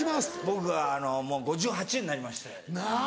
僕はもう５８になりまして。なぁ。